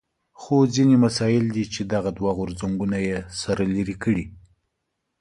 خو ځینې مسایل دي چې دغه دوه غورځنګونه یې سره لرې کړي.